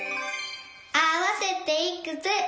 あわせていくつ？